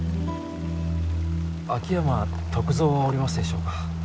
秋山篤蔵はおりますでしょうか？